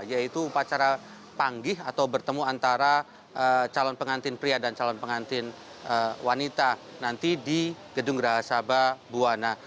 yaitu upacara panggih atau bertemu antara calon pengantin pria dan calon pengantin wanita nanti di gedung rahasabah buwana